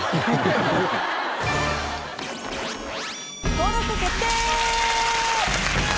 登録決定！